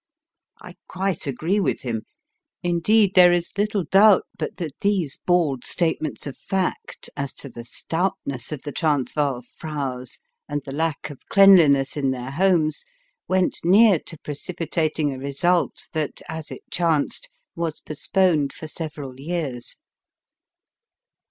I quite agree with him ; indeed, there is little doubt but that these bald statements of fact as to the stoutness of the Transvaal fraus, and the lack of cleanliness in their homes, went near to precipitating a result that, as it chanced, was postponed for several years.